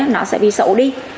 nó sẽ bị xấu đi